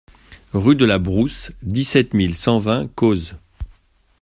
Rue de la Brousse, dix-sept mille cent vingt Cozes